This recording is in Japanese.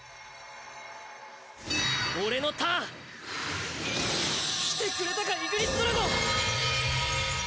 俺のターン。来てくれたかイグニスドラゴン。